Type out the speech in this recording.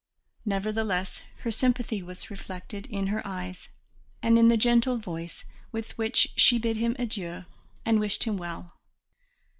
Nevertheless, her sympathy was reflected in her eyes, and in the gentle voice with which she bid him adieu and wished him well.